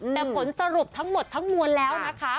แต่ผลสรุปทั้งหมดทั้งมวลแล้วนะคะ